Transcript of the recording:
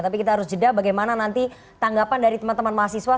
tapi kita harus jeda bagaimana nanti tanggapan dari teman teman mahasiswa